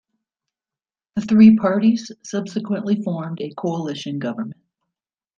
The three parties subsequently formed a coalition government.